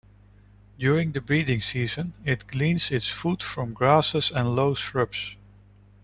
During the breeding season, it gleans its food from grasses and low shrubs.